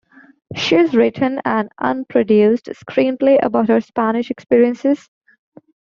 She has written an unproduced screenplay about her Spanish experiences.